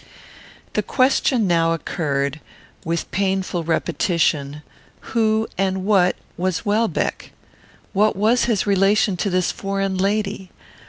The question now occurred, with painful repetition, who and what was Welbeck? What was his relation to this foreign lady?